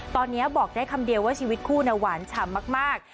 ตอนนี้บอกได้คำเดียวว่าชีวิตคู่หวานฉ่ำมาก